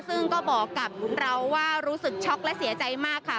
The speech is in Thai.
ซึ่งก็บอกกับเราว่ารู้สึกช็อกและเสียใจมากค่ะ